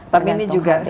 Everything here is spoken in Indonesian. tapi ini juga sebenarnya